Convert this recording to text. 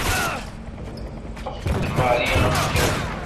Teṭṭef-d Mari amkan.